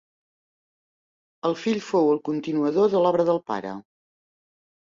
El fill fou el continuador de l'obra del pare.